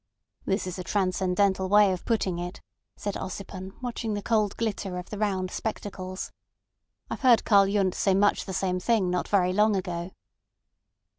"This is a transcendental way of putting it," said Ossipon, watching the cold glitter of the round spectacles. "I've heard Karl Yundt say much the same thing not very long ago."